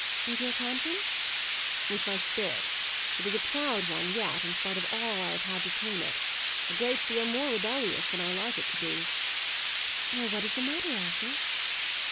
"With your conscience?" "With my spirit. It is a proud one yet, in spite of all I have had to tame it; a great deal more rebellious than I like it to be." "Why, what is the matter, Arthur?"